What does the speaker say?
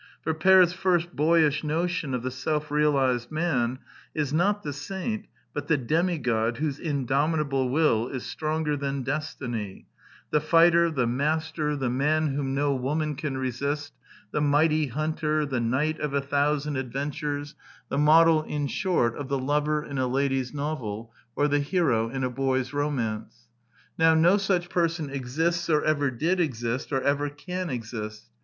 For Peer's first boy ish notion of the self realized man is not the saint, but the demigod whose indomitable will is stronger than destiny, the fighter, the master, the The Plays 55 man whom no woman can resist, the mighty hunter, the knight of a thousand adventures, the model, in short, of the lover in a lady's novel, or the hero in a boy's romance. Now, no such per son exists, or ever did exist, or ever can exist.